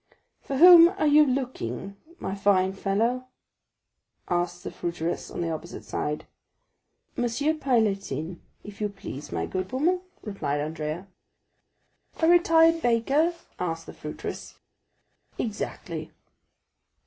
"For whom are you looking, my fine fellow?" asked the fruiteress on the opposite side. "Monsieur Pailletin, if you please, my good woman," replied Andrea. "A retired baker?" asked the fruiteress. "Exactly."